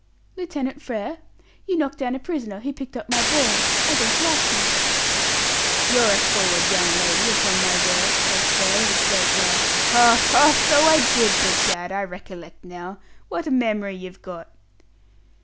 "Lieutenant Frere. You knocked down a prisoner who picked up my ball. I don't like you." "You're a forward young lady, upon my word!" said Frere, with a great laugh. "Ha! ha! so I did, begad, I recollect now. What a memory you've got!"